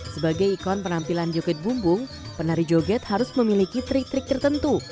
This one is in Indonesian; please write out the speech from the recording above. sebagai ikon penampilan joget bumbung penari joget harus memiliki trik trik tertentu